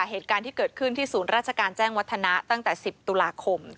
เหตุการณ์ที่เกิดขึ้นที่ศูนย์ราชการแจ้งวัฒนะตั้งแต่๑๐ตุลาคม